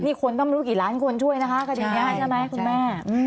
นี่คนต้องรู้กี่ล้านคนช่วยนะคะคดีนี้ใช่ไหมคุณแม่